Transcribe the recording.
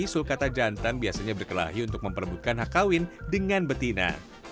sulkata jantan biasanya berkelahi untuk memperebutkan hak kawin dengan betina